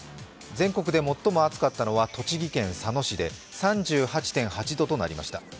全国で最も暑かったのは栃木県佐野市で３８．８度となりました。